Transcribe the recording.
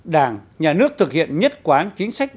đảng nhà nước thực hiện nhất quán chính sách